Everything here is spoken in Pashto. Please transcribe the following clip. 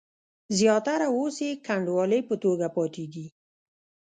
زیاتره اوس یې کنډوالې په توګه پاتې دي.